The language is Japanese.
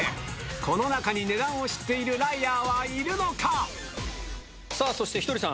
この中に値段を知っているライアーはいるのか⁉そしてひとりさん。